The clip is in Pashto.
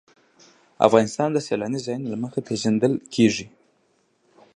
افغانستان د سیلانی ځایونه له مخې پېژندل کېږي.